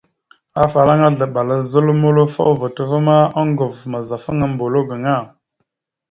Afalaŋa aslaɓal a zal mulofa o voto ava ma, oŋgov mazafaŋa mbolo gaŋa.